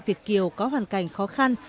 việt kiều có hoàn cảnh khó khăn